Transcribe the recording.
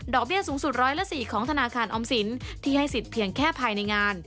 เบี้ยสูงสุดร้อยละ๔ของธนาคารออมสินที่ให้สิทธิ์เพียงแค่ภายในงาน